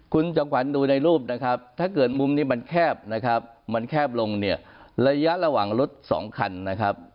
คุณจอมขวัญดูในรูปนะครับถ้าเกิดมุมนี้มันแคบนะครับมันแคบลงเนี่ยระยะระหว่างรถสองคันนะครับ